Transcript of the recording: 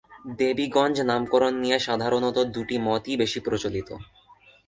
দেবীগঞ্জ নামকরণ নিয়ে সাধারণত দুটি মতই বেশি প্রচলিত।